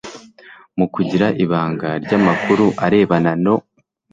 mu kugira ibanga ry amakuru arebana no